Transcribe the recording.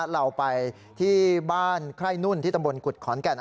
เราไปที่บ้านไข้นุ่นที่ตำบลกุฎขอนแก่น